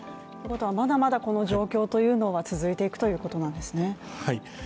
まだまだこの状況というのは続いていくということなんですね？